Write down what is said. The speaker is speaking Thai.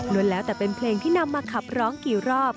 แล้วแต่เป็นเพลงที่นำมาขับร้องกี่รอบ